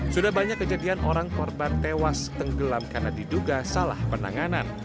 sudah banyak kejadian orang korban tewas tenggelam karena diduga salah penanganan